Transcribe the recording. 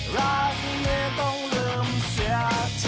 รักนี้ต้องลืมเสียที